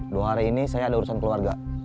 dua hari ini saya ada urusan keluarga